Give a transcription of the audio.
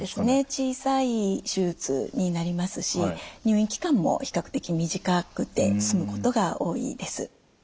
小さい手術になりますし入院期間も比較的短くて済むことが多いです。